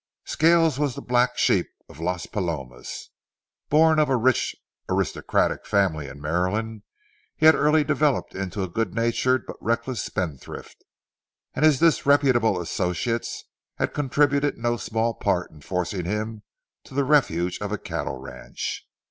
Scales was the black sheep of Las Palomas. Born of a rich, aristocratic family in Maryland, he had early developed into a good natured but reckless spendthrift, and his disreputable associates had contributed no small part in forcing him to the refuge of a cattle ranch.